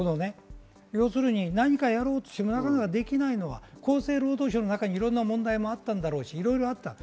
要するに何かやろうとしてもできないのは厚生労働省の中に問題もあったんだろうし、いろいろありました。